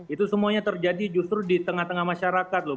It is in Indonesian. itu semuanya terjadi justru di tengah tengah masyarakat loh